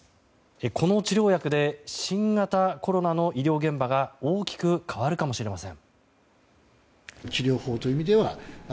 この治療薬で新型コロナの医療現場が大きく変わるかもしれません。